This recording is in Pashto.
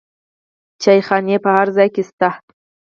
چایخانې په هر ځای کې شته.